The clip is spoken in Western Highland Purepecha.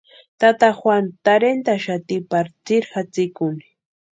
Tata Juanu tarhentʼaxati pari tsiri jatsikuni.